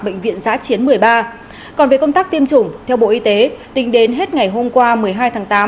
bệnh viện giã chiến một mươi ba còn về công tác tiêm chủng theo bộ y tế tính đến hết ngày hôm qua một mươi hai tháng tám